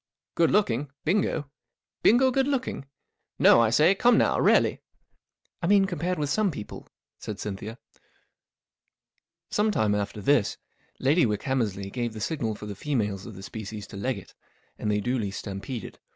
" 41 Good looking ? Bingo ? Bingo good looking ? No, I say, come now, really !" 44 I mean, compared with some people," said Cynthia. Some time after this, Lady Wickhammers ley gave the signal for the females of the species to leg it, and they duly stampeded.